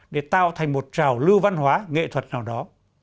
để tạo thành một trào lưu văn hóa nghệ thuật nào đó